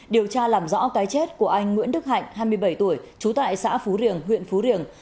điều tra làm rõ cái chết của anh nguyễn đức hạnh hai mươi bảy tuổi trú tại xã phú riềng huyện phú riềng